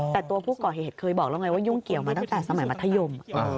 แต่ตัวผู้ก่อเหตุเคยบอกแล้วไงว่ายุ่งเกี่ยวมาตั้งแต่สมัยมัธยม